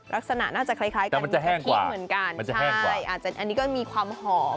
ลักษณะน่าจะคล้ายกันมีกะทิเหมือนกันใช่อาจจะอันนี้ก็มีความหอม